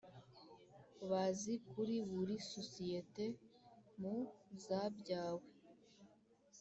Bazi kuri buri sosiyete mu zabyawe